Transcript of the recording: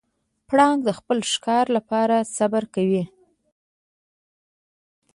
پړانګ د خپل ښکار لپاره صبر کوي.